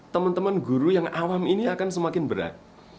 teman teman guru yang awam ini akan semakin berat